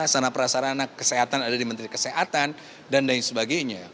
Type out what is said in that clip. sarana prasarana kesehatan ada di menteri kesehatan dan lain sebagainya